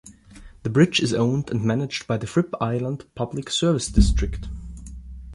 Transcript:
The bridge is owned and managed by the Fripp Island Public Service District.